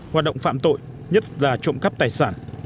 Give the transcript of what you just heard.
hoạt động phạm tội nhất là trộm cắp tài sản